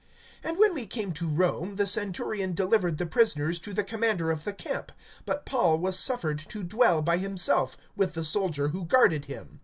(16)And when we came to Rome, the centurion delivered the prisoners to the commander of the camp; but Paul was suffered to dwell by himself, with the soldier who guarded him.